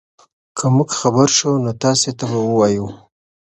که موږ خبر شو نو تاسي ته به ووایو.